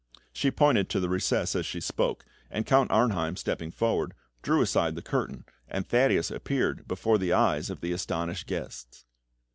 She pointed to the recess as she spoke, and Count Arnheim, stepping forward, drew aside the curtain, and Thaddeus appeared before the eyes of the astonished guests.